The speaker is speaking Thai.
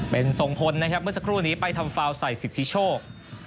เป็นทรงพลนะครับเมื่อสักครู่นี้ไปทำฟาวใส่สิทธิโชค